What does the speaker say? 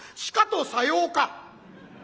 「しかとさようか」。